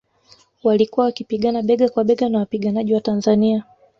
Walikuwa wakipigana bega kwa bega na wapiganaji wa Tanzania